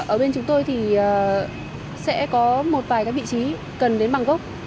ở bên chúng tôi thì sẽ có một vài các vị trí cần đến bằng gốc